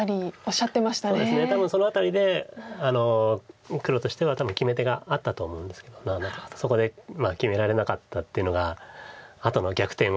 そうですね多分その辺りで黒としては多分決め手があったと思うんですけどそこで決められなかったっていうのがあとの逆転を生みました。